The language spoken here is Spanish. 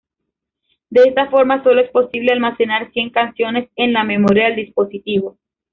De esta forma, sólo es posible almacenar cien canciones en la memoria del dispositivo.